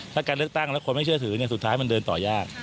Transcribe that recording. ถ้าการเลือกตั้งแล้วคนไม่เชื่อถือสุดท้ายมันเดินต่อยาก